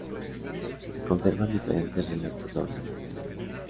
Se conservan diferentes relatos sobre su muerte.